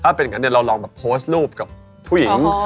ถ้าเป็นอย่างนั้นเดี๋ยวเราลองแบบโพสต์รูปกับผู้หญิง